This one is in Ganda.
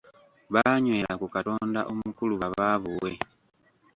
Baanywera ku katonda omukulu ba baabuwe.